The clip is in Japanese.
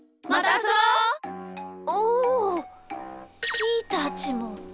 ひーたちも。